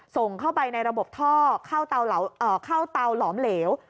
ส่งเข้าไปในระบบท่อเข้าเตาหลอมเหลว